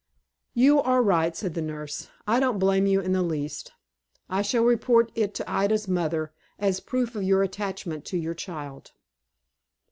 "You are right," said the nurse. "I don't blame you in the least. I shall report it to Ida's mother, as a proof of your attachment to your child."